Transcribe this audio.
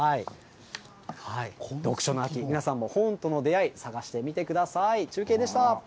読書の秋、皆さんも本との出会い、探してみてください。